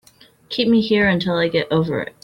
Keep me here until I get over it.